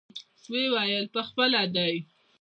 ويې ويل پخپله دى.